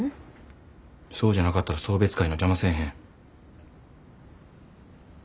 そうじゃなかったら送別会の邪魔せえへん。